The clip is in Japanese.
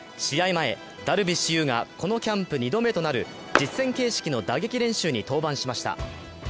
前、ダルビッシュ有がこのキャンプ２度目となる実戦形式の打撃練習に登板しました。